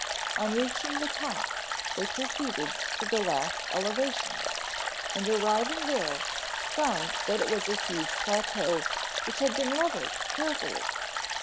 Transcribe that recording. On reaching the top they proceeded to the last elevation and arriving there found that it was a huge plateau which had been leveled carefully.